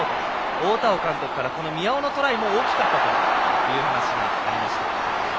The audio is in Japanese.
大田尾監督から宮尾のトライも大きかったという話もありました。